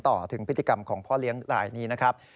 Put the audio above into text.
ต่อถึงพฤติกรรมของพ่อเลี้ยงรายนี้นะครับ